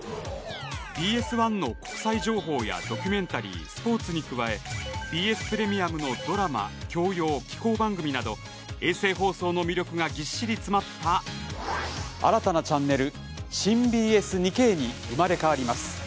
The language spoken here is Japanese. ＢＳ１の国際情報やドキュメンタリースポーツに加えＢＳプレミアムのドラマ、教養紀行番組など衛星放送の魅力がぎっしり詰まった新たなチャンネル新ＢＳ２Ｋに生まれ変わります。